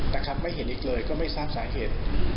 นะครับไม่เห็นอีกเลยก็ไม่ทราบสาเหตุ